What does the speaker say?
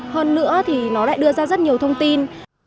hơn nữa thì nó lại đưa ra rất nhiều thông tin